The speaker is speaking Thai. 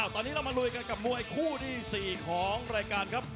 ตอนนี้เรามาลุยกันกับมวยคู่ที่๔ของรายการครับ